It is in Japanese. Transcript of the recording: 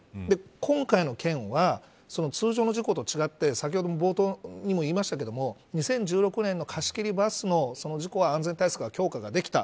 今回の件は、通常の事故と違って先ほど冒頭にも言いましたが２０１６年の貸し切りバスの事故は安全対策強化ができた。